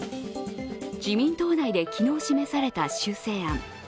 自民党内で昨日示された修正案。